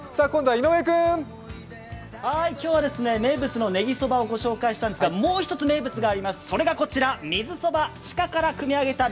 今度は井上君。今日は名物のねぎそばをご紹介したんですが、もう１つ名物があります、それがこちら、水そば。